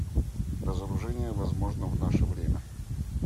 Разоружение возможно в наше время.